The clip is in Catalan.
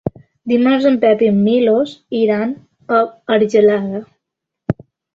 Dimarts en Pep i en Milos iran a Argelaguer.